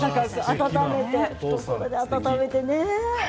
温めてね。